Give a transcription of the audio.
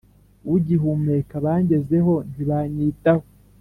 ugihumeka bangezeho ntibanyitaho